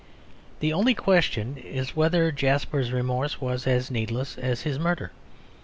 The only question is whether Jasper's remorse was as needless as his murder.